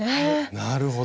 なるほど。